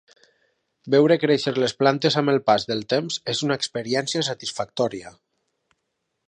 Veure créixer les plantes amb el pas del temps és una experiència satisfactòria.